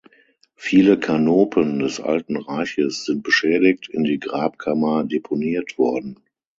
Viele Kanopen des Alten Reiches sind beschädigt in die Grabkammer deponiert worden.